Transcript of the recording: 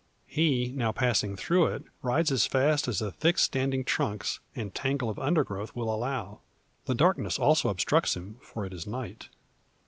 He, now passing through it, rides as fast as the thick standing trunks, and tangle of undergrowth will allow. The darkness also obstructs him; for it is night.